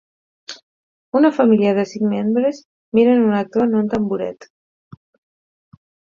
Una família de cinc membres miren un actor en un tamboret.